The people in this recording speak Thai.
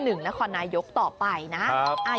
นครนายกต่อไปนะ